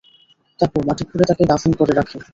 তারপর মাটি খুঁড়ে তাকে দাফন করে রাখে।